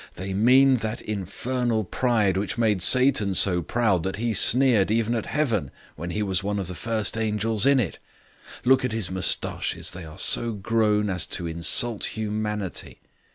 They mean that infernal pride which made Satan so proud that he sneered even at heaven when he was one of the first angels in it. Look at his moustaches, they are so grown as to insult humanity.